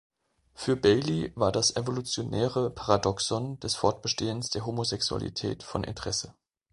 Für Bailey war das evolutionäre Paradoxon des Fortbestehens der Homosexualität von Interesse.